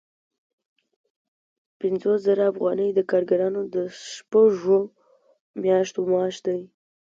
پنځوس زره افغانۍ د کارګرانو د شپږو میاشتو معاش دی